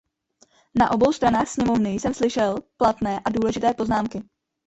Na obou stranách sněmovny jsem slyšel platné a důležité poznámky.